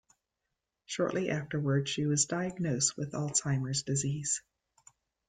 Shortly afterwards she was diagnosed with Alzheimer's disease.